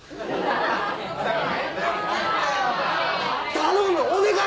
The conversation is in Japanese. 頼むお願い！